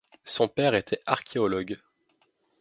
Son père était archéologue.